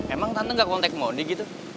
emang tante nggak kontak mondi gitu